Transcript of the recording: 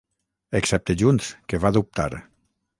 excepte Junts, que va dubtar